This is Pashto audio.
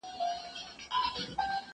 سره غرمه وه لار اوږده بټي بیابان وو